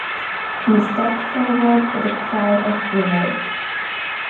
He stepped forward with a cry of revolt.